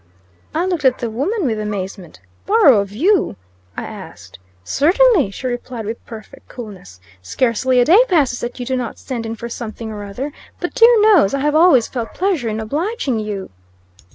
I looked at the woman with amazement. "Borrow of you?" I asked. "Certainly!" she replied, with perfect coolness. "Scarcely a day passes that you do not send in for something or other. But dear knows! I have always felt pleasure in obliging you."